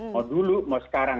mau dulu mau sekarang